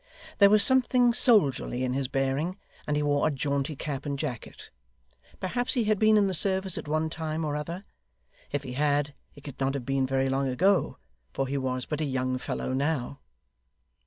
There was something soldierly in his bearing, and he wore a jaunty cap and jacket. Perhaps he had been in the service at one time or other. If he had, it could not have been very long ago, for he was but a young fellow now.